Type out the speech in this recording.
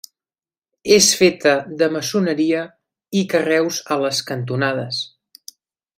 És feta de maçoneria i carreus a les cantonades.